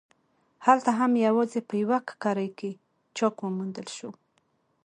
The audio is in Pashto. هلته هم یوازې په یوه ککرۍ کې چاک وموندل شو.